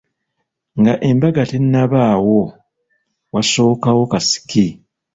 Nga embaga tennabaawo, wasookawo kasiki.